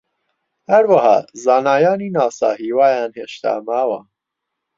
هەروەها زانایانی ناسا هیوایان هێشتا ماوە